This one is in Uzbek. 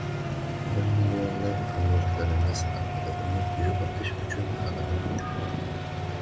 Biz millionlab hamyurtlarimiz qalbida umid uyg‘otish uchun g‘alaba qildik